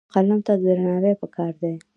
قلم ته درناوی پکار دی.